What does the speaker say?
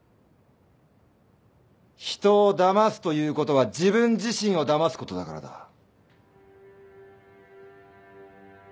人をだますということは自分自身をだますことだからだ。